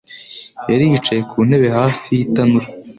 yari yicaye ku ntebe hafi y'itanura.